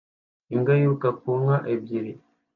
Imbwa yiruka ku nka ebyiri